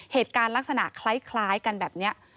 เหตุการณ์ลักษณะคล้ายกันแบบนี้